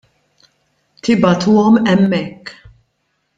Tibagħtuhom hemmhekk.